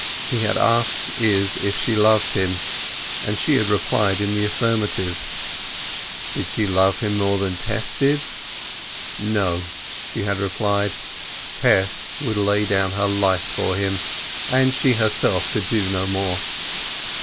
He had asked Izz if she loved him, and she had replied in the affirmative. Did she love him more than Tess did? No, she had replied; Tess would lay down her life for him, and she herself could do no more.